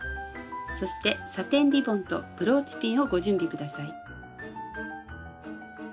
そしてサテンリボンとブローチピンをご準備下さい。